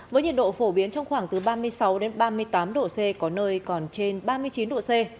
với nhiệt độ phổ biến trong khoảng từ ba mươi sáu ba mươi tám độ c có nơi còn trên ba mươi chín độ c